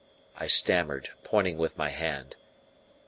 I stammered, pointing with my hand.